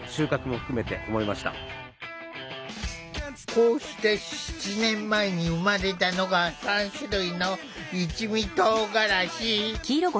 こうして７年前に生まれたのが３種類の一味とうがらし。